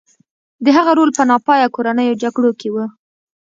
د هغه رول په ناپایه کورنیو جګړو کې و.